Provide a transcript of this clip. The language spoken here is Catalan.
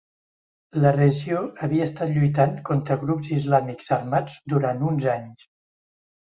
La regió havia estat lluitant contra grups islàmics armats durant uns anys.